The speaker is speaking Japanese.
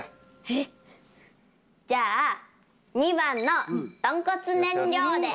えじゃあ２番のとんこつ燃料で！